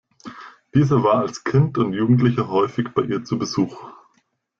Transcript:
Dieser war als Kind und Jugendlicher häufig bei ihr zu Besuch.